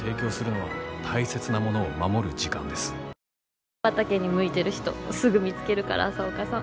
気象畑に向いてる人すぐ見つけるから朝岡さん。